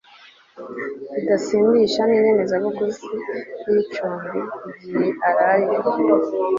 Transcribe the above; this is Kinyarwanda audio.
bidasindisha n inyemezabuguzi y icumbi igihe araye